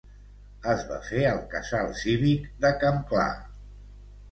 Es va fer al casal cívic de Campclar.